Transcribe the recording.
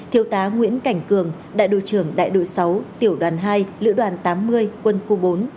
thiếu tá nguyễn cảnh cường đại đội trưởng đại đội sáu tiểu đoàn hai lữ đoàn tám mươi quân khu bốn